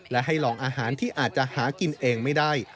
และให้ลองอาหารที่อาจจะหากินเองไม่ได้